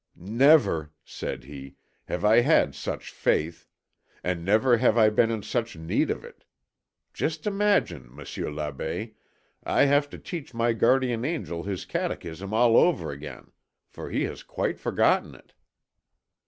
"Never," said he, "have I had such faith. And never have I been in such need of it. Just imagine, Monsieur l'Abbé, I have to teach my guardian angel his catechism all over again, for he has quite forgotten it!"